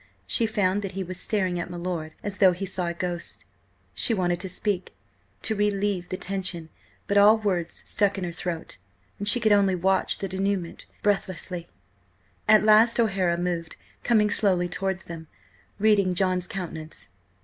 She found that he was staring at my lord as though he saw a ghost: She wanted to speak, to relieve the tension, but all words stuck in her throat, and she could only watch the dénouement breathlessly. At last O'Hara moved, coming slowly towards them, reading John's countenance.